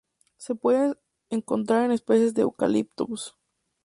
Se puede encontrar en especies de "Eucalyptus"